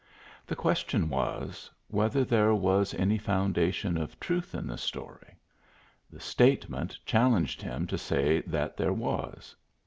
The question was, whether there was any foundation of truth in the story; the statement challenged him to say that there was.